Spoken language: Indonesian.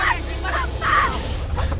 pergi jatuh kamu pelipis